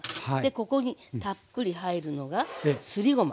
ここにたっぷり入るのがすりごま。